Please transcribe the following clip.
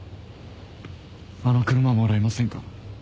あの車もらえませんか？